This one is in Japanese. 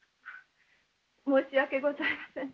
申し訳ございません。